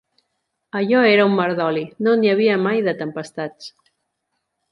Allò era un mar d'oli, no n'hi havia mai de tempestats